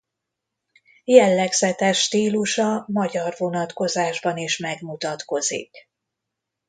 Jellegzetes stílusa magyar vonatkozásban is megmutatkozik.